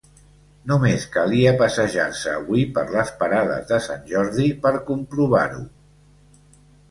Només calia passejar-se avui per les parades de sant Jordi per comprovar-ho.